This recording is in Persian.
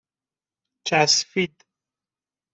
چَسفید